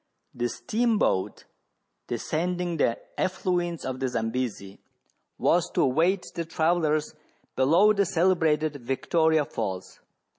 The steam boat, descending the affluents of the Zambesi, was to await the travellers below the celebrated Victoria Falls.